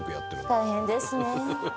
大変ですねえ